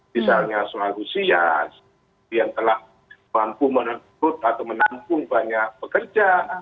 misalnya suatu sias yang telah mampu menangkut atau menampung banyak pekerja